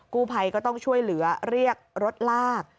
กู้ภัยก็ต้องช่วยเหลือเรียกรถลาก